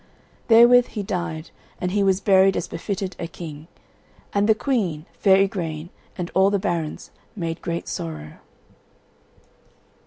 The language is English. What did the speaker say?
Therewith he died, and he was buried as befitted a king, and the Queen, fair Igraine, and all the barons made great sorrow.